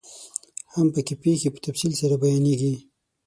هم پکې پيښې په تفصیل سره بیانیږي.